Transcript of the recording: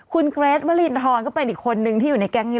คุณเกรทวรินทรก็เป็นอีกคนนึงที่อยู่ในแก๊งนี้